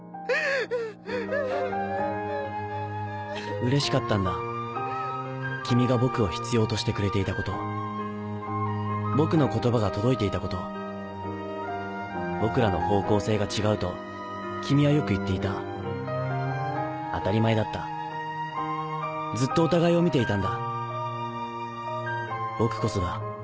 うれしかったんだ君が僕を必要としてくれていたこと僕の言葉が届いていたこと僕らの方向性が違うと君はよく言っていた当たり前だったずっとお互いを見ていたんだ僕こそだ